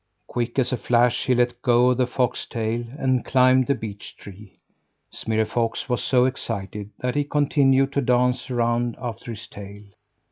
Quick as a flash, he let go of the fox tail and climbed the beech tree. Smirre Fox was so excited that he continued to dance around after his tail.